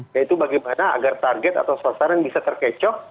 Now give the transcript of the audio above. yaitu bagaimana agar target atau sasaran bisa terkecoh